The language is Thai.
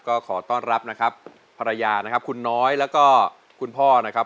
ก็ขอต้อนรับนะครับภรรยานะครับคุณน้อยแล้วก็คุณพ่อนะครับ